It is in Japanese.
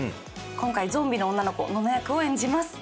今回ゾンビの女の子ノノ役を演じます。